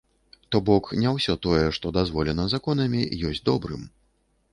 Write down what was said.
То бок не ўсё тое, што дазволена законамі, ёсць добрым.